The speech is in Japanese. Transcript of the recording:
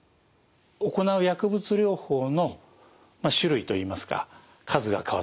行う薬物療法の種類といいますか数が変わったんですね。